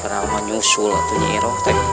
perang nyusul itu jiro jiro